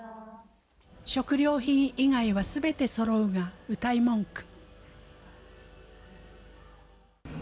「食料品以外は全てそろう」がうたい文句。